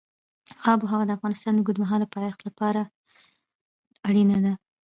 آب وهوا د افغانستان د اوږدمهاله پایښت لپاره اړینه ده.